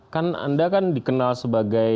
kan anda dikenal sebagai